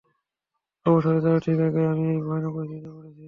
অবসরে যাওয়ার ঠিক আগেই আমি এই ভয়ানক পরিস্থিতিতে পড়েছি।